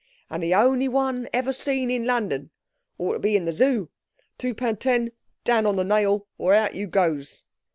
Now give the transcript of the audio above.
And the only one ever seen in London. Ought to be in the Zoo. Two pun ten, down on the nail, or hout you goes!"